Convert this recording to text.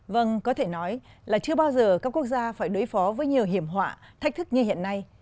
vâng có thể nói là chưa bao giờ các quốc gia phải đối phó với nhiều hiểm họa thách thức như hiện nay